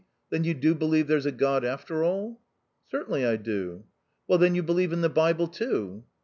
" Then you do believe there's a God, after all ?"" Certainly, I do." " Well, then, you believe in the Bible, too?"